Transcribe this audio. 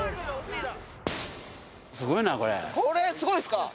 これすごいですか？